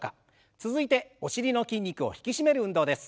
続いてお尻の筋肉を引き締める運動です。